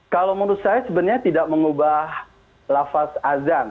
kalau menurut saya sebenarnya tidak mengubah lafaz azan